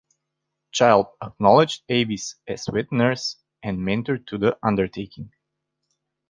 Child acknowledged Avis as "wet nurse" and "mentor" to the undertaking.